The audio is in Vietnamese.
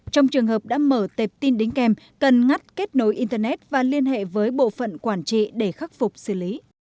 trong trường hợp đã mở tệp tin đính kèm cần ngắt kết nối internet và liên hệ với bộ phận quản trị để khắc phục xử lý